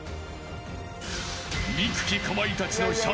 ［憎きかまいたちの］